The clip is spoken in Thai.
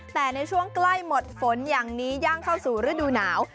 แต่ในช่วงใกล้หมดฝนอย่างนี้ย่างเข้าสู่ฤดูหนาว